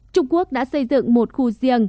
trung quốc đã xây dựng một khu riêng